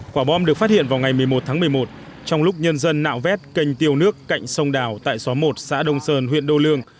quả bom được phát hiện vào ngày một mươi một tháng một mươi một trong lúc nhân dân nạo vét kênh tiêu nước cạnh sông đào tại xóm một xã đông sơn huyện đô lương